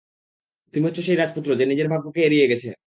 তুমি হচ্ছ সেই রাজপুত্র যে নিজের ভাগ্যকে এড়িয়ে গেছে।